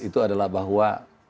itu adalah bahwa